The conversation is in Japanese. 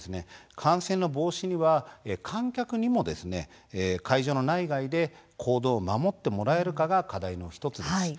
感染の防止には観客にも会場の内外で行動を守ってもらえるかが課題の１つです。